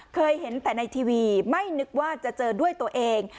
เคยเห็นแต่ในทีวีไม่นึกว่าจะเจอด้วยตัวเอง